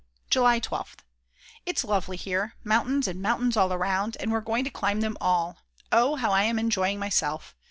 July 12th. It's lovely here; mountains and mountains all round, and we're going to climb them all; oh, how I am enjoying myself!